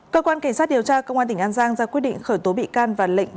cơ quan cảnh sát điều tra công an tỉnh an giang ra quyết định khởi tố bị can